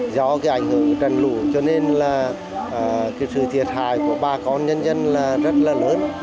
do ảnh hưởng trần lũ cho nên sự thiệt hại của bà con nhân dân rất lớn